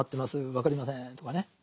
分かりませんとかね。